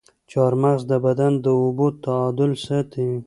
چارمغز د بدن د اوبو تعادل ساتي.